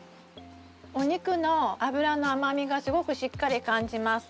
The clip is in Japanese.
お肉の脂の甘みがすごくしっかり感じます。